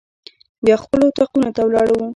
بیا خپلو اطاقونو ته ولاړو.